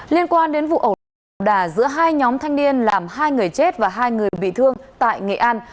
liên quan đến vụ ẩu đà giữa hai nhóm thanh niên làm hai người chết và hai người bị thương tại nghệ an